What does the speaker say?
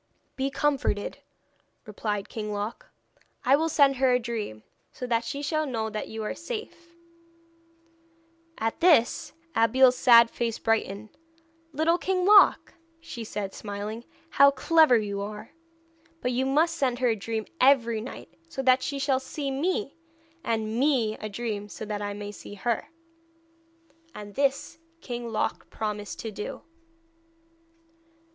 'Be comforted,' replied King Loc; 'I will send her a dream, so that she shall know that you are safe.' At this Abeille's sad face brightened. 'Little King Loc,' she said, smiling, 'how clever you are! But you must send her a dream every night, so that she shall see me and me a dream, so that I may see her.' And this King Loc promised to do.